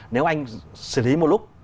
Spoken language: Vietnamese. nếu anh xử lý một lúc